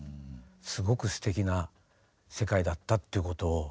すごくすてきな世界だったっていうことを。